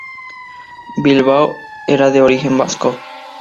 Bilbao era de origen vasco.